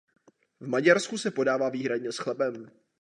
V Maďarsku se podává výhradně s chlebem.